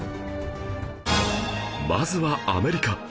まずはアメリカ